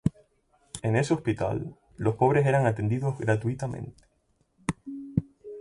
En ese hospital, los pobres eran atendidos gratuitamente.